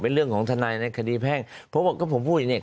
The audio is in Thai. เป็นเรื่องของทนายในคดีแพ่งเพราะว่าก็ผมพูดอย่างนี้